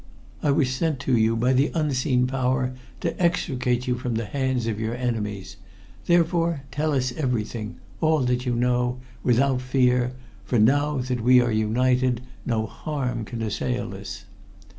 I was sent to you by the unseen power to extricate you from the hands of your enemies. Therefore tell us everything all that you know without fear, for now that we are united no harm can assail us."